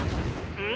うん？